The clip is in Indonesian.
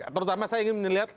terutama saya ingin melihat